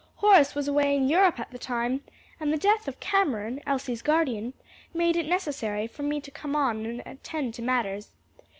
Horace was away in Europe at the time, and the death of Cameron, Elsie's guardian, made it necessary for me to come on and attend to matters.